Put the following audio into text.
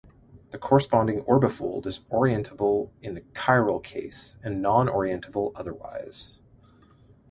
The corresponding orbifold is orientable in the chiral case and non-orientable otherwise.